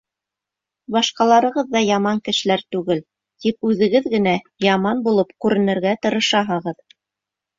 Башҡаларығыҙ ҙа яман кешеләр түгел, тик үҙегеҙ генә яман булып күренергә тырышаһығыҙ.